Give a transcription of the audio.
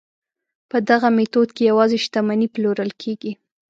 په دغه میتود کې یوازې شتمنۍ پلورل کیږي.